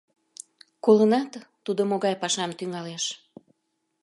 Колынат, тудо могай пашам тӱҥалеш?